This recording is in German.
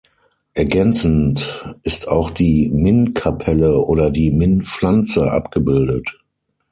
Ergänzend ist auch die Min-Kapelle oder die Min-Pflanze abgebildet.